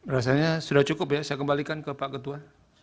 rasanya sudah cukup ya saya kembalikan ke pak ketua